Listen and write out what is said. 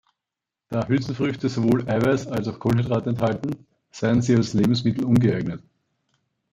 Da Hülsenfrüchte sowohl Eiweiß als auch Kohlenhydrate enthalten, seien sie als Lebensmittel ungeeignet.